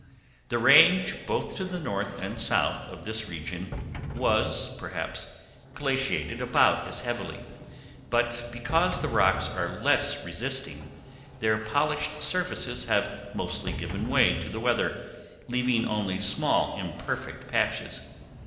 The Range both to the north and south of this region was, perhaps, glaciated about as heavily, but because the rocks are less resisting, their polished surfaces have mostly given way to the weather, leaving only small imperfect patches.